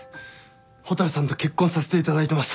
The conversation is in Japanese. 蛍さんと結婚させていただいてます